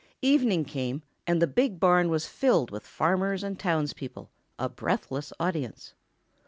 Evening came, and the big barn was filled with farmers and townspeople, a breathless audience.